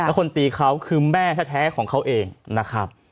แล้วคนตีเขาคือแม่แท้ของเขาเองนะครับ